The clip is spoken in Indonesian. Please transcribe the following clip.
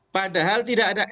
padahal tidak ada